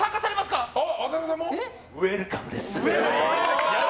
ウェルカムです。